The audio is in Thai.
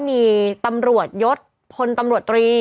มีตำรวจยศพลตำรวจตรี